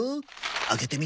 開けてみ。